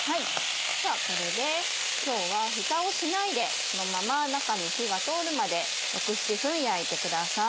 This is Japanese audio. ではこれで今日はフタをしないでそのまま中に火が通るまで６７分焼いてください。